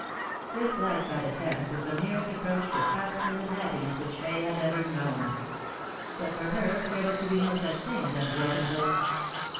This life by the Thames was the nearest approach to abso lute happiness which Fay had ever known ; bu i for her there All She could Remember. 31 was to be no such thing as unbroken bliss.